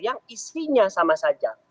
yang isinya sama saja